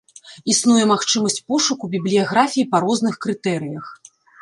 Існуе магчымасць пошуку бібліяграфіі па розных крытэрыях.